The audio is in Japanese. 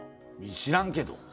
知らんけど。